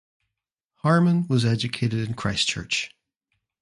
Harman was educated in Christchurch.